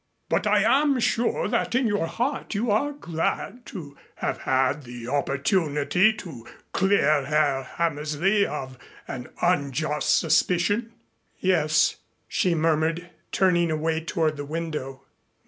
But I am sure that in your heart you are glad to have had the opportunity to clear Herr Hammersley of an unjust suspicion." "Yes," she murmured, turning away toward the window.